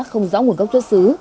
không rõ nguồn gốc xuất xứ